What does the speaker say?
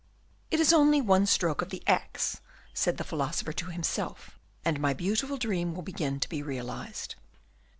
"It is only one stroke of the axe," said the philosopher to himself, "and my beautiful dream will begin to be realised."